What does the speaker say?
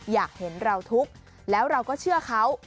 อยากเห็นเราทุกข์แล้วเราก็เชื่อเขา